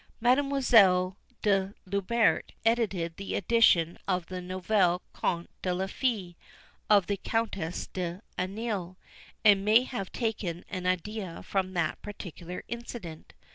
Mademoiselle de Lubert edited an edition of the Nouveaux Contes des Fées of the Countess d'Anneuil, and may have taken an idea from that particular incident.